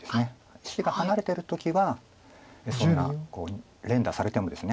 石が離れてる時はそんな連打されてもですね